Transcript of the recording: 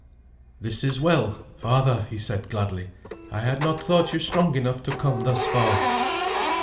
"This is well, father," he said gladly. "I had not thought you strong enough to come thus far."